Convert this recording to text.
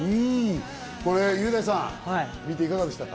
これ雄大さん見ていかがでしたか？